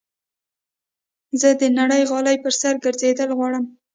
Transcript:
زه د نرم غالۍ پر سر ګرځېدل خوښوم.